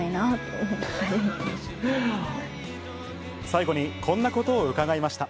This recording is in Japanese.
最後にこんなことを伺いました。